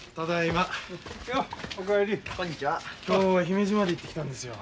今日は姫路まで行ってきたんですよ。